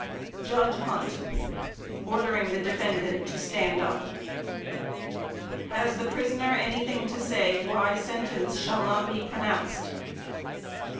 JUDGE HUNT (Ordering the defendant to stand up), "Has the prisoner anything to say why sentence shall not be pronounced?"